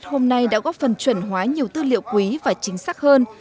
bộ sách ra mắt hôm nay đã góp phần chuẩn hóa nhiều tư liệu quý và chính xác hơn